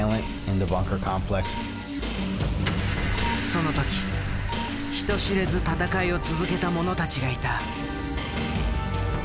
その時人知れず戦いを続けた者たちがいた。